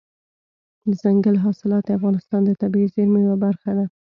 دځنګل حاصلات د افغانستان د طبیعي زیرمو یوه برخه ده.